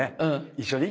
一緒に？